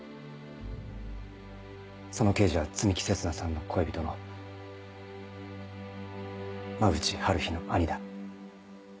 その刑事は摘木星砂さんの恋人の馬淵悠日の兄だ。